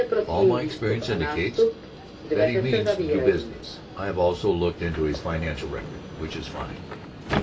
All my experience indicates that he means to do business. I have also looked into his financial record, which is fine.